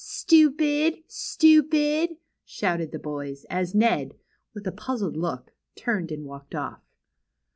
Stupid! stupid !" shouted the boyS; as Ned; with a puzzled look; turned and walked off.